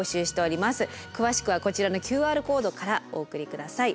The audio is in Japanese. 詳しくはこちらのＱＲコードからお送り下さい。